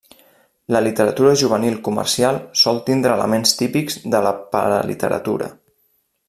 La literatura juvenil comercial sol tindre elements típics de la paraliteratura.